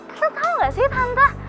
tante tahu enggak sih tante